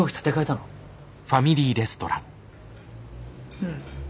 うん。